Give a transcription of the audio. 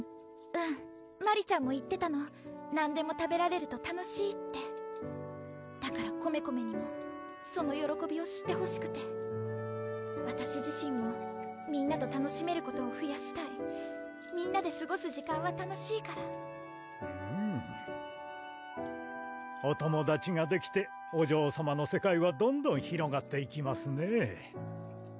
うんマリちゃんも言ってたの何でも食べられると楽しいってだからコメコメにもそのよろこびを知ってほしくてわたし自身もみんなと楽しめることをふやしたいみんなですごす時間は楽しいからお友達ができてお嬢さまの世界はどんどん広がっていきますね